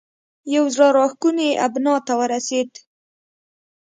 یوه زړه راښکونې ابنا ته ورسېد.